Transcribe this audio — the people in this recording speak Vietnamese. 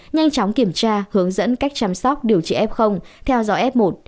nhanh chóng kiểm tra hướng dẫn cách chăm sóc điều trị f theo dõi f một